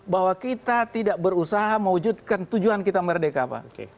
bahwa kita tidak berusaha mewujudkan tujuan kita merdeka pak